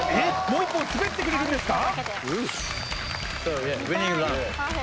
もう一本滑ってくれるんですか？